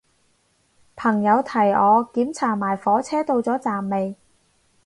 朋友提我檢查埋火車到咗站未